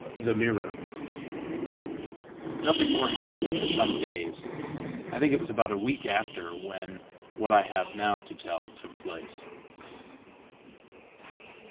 THE MIRROR Nothing more happened for some days. I think it was about a week after, when what I have now to tell took place.